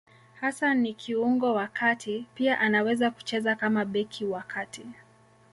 Hasa ni kiungo wa kati; pia anaweza kucheza kama beki wa kati.